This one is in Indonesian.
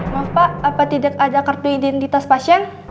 maaf pak apa tidak ada kartu identitas pasien